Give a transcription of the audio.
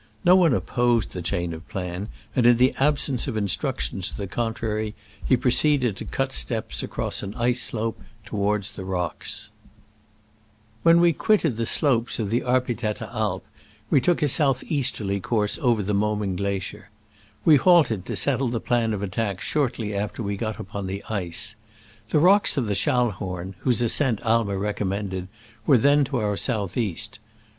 No one op posed the change of plan, and in the absence of instructions to the contrary he proceeded to cut steps across an ice slope toward the rocks. When we quitted the slopes of the Arpitetta Alp we took a south easterly * Moore's Journal. Digitized by Google SCRAMBLES AMONGST THE ALPS IN i86o '69. 107 course over the Morning glacier. We halted to settle the plan of attack short ly after we got upon the ice. The rocks of the Schallhorn, whose ascent Aimer recommended, were then to our south east.